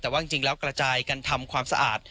แต่ว่าจริงแล้วกระจายกันทำความสะอาด